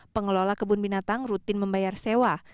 pengelola kebun binatang rutin membayar sewa